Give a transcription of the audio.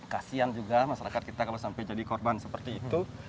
kasian juga masyarakat kita kalau sampai jadi korban seperti itu